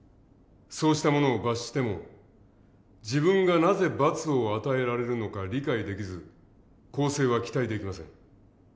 そうした者を罰しても自分がなぜ罰を与えられるのか理解できず更生は期待できません。